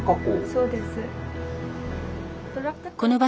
そうです。